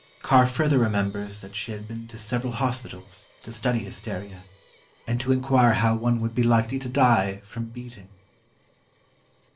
Carr further remembers that she had been to several hospitals, to study hysteria, and to inquire how one would be likely to die, from beating.